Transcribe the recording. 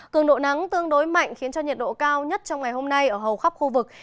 cường độ nắng tương đối mạnh khiến cho nhiệt độ cao nhất trong ngày hôm nay ở hầu khắp khu vực